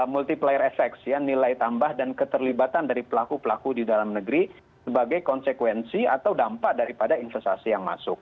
multiplier effects ya nilai tambah dan keterlibatan dari pelaku pelaku di dalam negeri sebagai konsekuensi atau dampak daripada investasi yang masuk